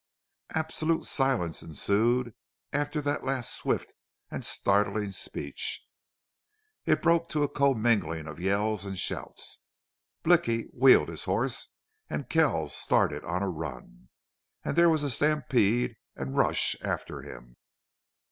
Absolute silence ensued after that last swift and startling speech. It broke to a commingling of yells and shouts. Blicky wheeled his horse and Kells started on a run. And there was a stampede and rush after him.